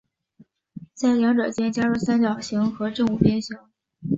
在两者间加入三角形和正五边形。